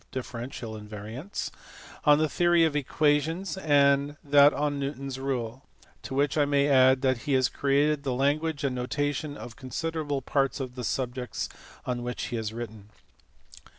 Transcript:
differential invariants), on the theory of equa tions, and that on Newton s rule; to which I may add that he has created the language and notation of considerable parts of the subjects on which he has written.